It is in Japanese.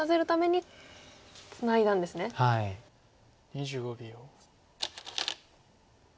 ２５秒。